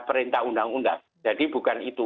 perintah undang undang jadi bukan itu